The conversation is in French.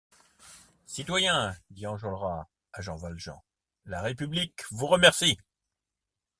Citoyen, dit Enjolras à Jean Valjean, la république vous remercie.